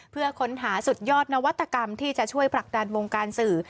เพื่อค้นหาสุดยอดนวัตกรรมที่จะช่วยผลักดันวงการสื่อ